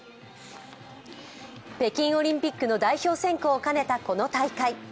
北京オリンピックの代表選考を兼ねたこの大会。